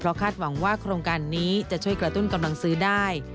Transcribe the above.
คาดหวังว่าโครงการนี้จะช่วยกระตุ้นกำลังซื้อได้